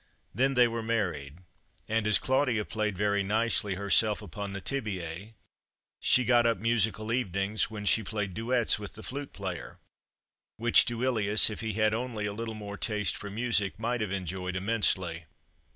Then they were married, and, as Claudia played very nicely herself upon the tibiæ, she got up musical evenings, when she played duets with the flute player, which Duilius, if he had only had a little more taste for music, might have enjoyed immensely.